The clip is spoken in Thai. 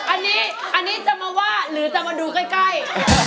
อันนี้จะมาว่าหรือจะมาดูใกล้